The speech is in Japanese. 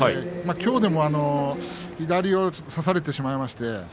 きょうも左を差されてしまいました。